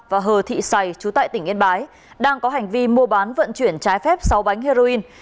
và hờ thị sài chú tại tỉnh yên bái đang có hành vi mua bán vận chuyển trái phép sáu bánh heroin